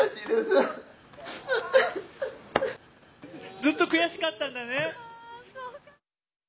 ずっと悔しかったんだね。